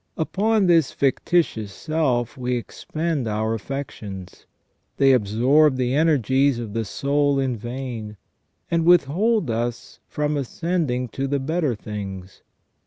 Upon this fictitious self we expend our affections ; they absorb the energies of the soul in vain, and withhold us from ascending to the better things.